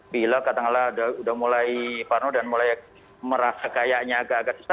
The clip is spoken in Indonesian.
bila katakanlah udah mulai parno dan mulai merasa kayaknya agak agak susah